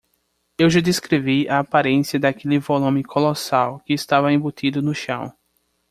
Eu já descrevi a aparência daquele volume colossal que estava embutido no chão.